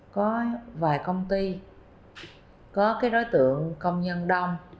có vài công ty có cái đối tượng công nhân đông